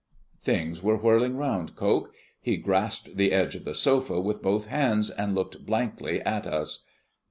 Things were whirling round Coke. He grasped the edge of the sofa with both hands, and looked blankly at us.